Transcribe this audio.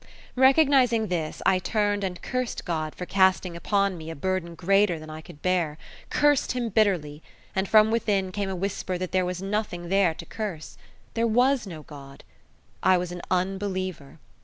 Recognizing this, I turned and cursed God for casting upon me a burden greater than I could bear cursed Him bitterly, and from within came a whisper that there was nothing there to curse. There was no God. I was an unbeliever.